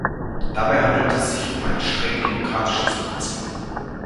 Dabei handelt es sich um ein streng demokratisches Prinzip.